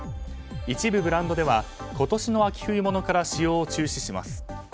一部ブランドでは今年の秋冬物から使用を中止します。